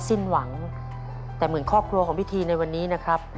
สิ้นหวังแต่เหมือนครอบครัวของพิธีในวันนี้นะครับ